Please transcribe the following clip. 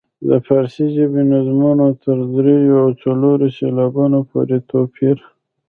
د فارسي ژبې نظمونو تر دریو او څلورو سېلابونو پورې توپیر.